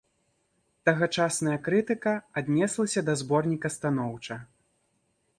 Тагачасная крытыка аднеслася да зборніка станоўча.